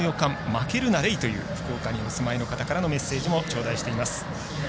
負けるなレイという福岡にお住まいの方からのメッセージも頂戴しています。